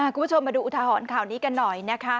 คุณผู้ชมมาดูอุทหรณ์ข่าวนี้กันหน่อยนะคะ